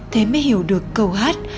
thế mới hiểu được câu hát